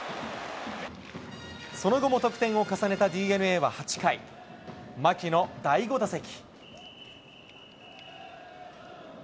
その後も得点を重ねたＤｅＮＡは８回、牧の第５打席。